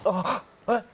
えっ！